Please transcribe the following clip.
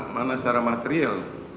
mana secara material